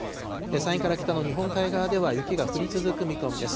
山陰から北の日本海側では雪が降り続く見込みです。